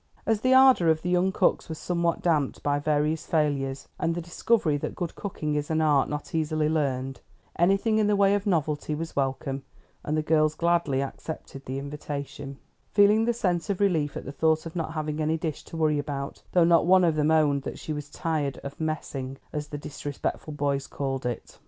As the ardor of the young cooks was somewhat damped by various failures, and the discovery that good cooking is an art not easily learned, anything in the way of novelty was welcome; and the girls gladly accepted the invitation, feeling a sense of relief at the thought of not having any dish to worry about, though not one of them owned that she was tired of "messing," as the disrespectful boys called it.